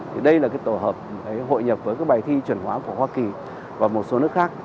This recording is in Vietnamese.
thì đây là cái tổ hợp hội nhập với các bài thi chuẩn hóa của hoa kỳ và một số nước khác